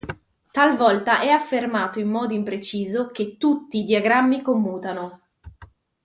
Talvolta è affermato in modo impreciso che "tutti" i diagrammi commutano.